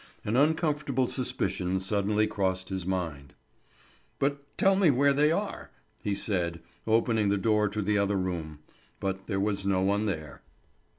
An uncomfortable suspicion suddenly crossed his mind. "But tell me where they are," he said, opening the door to the other room; but there was no one there.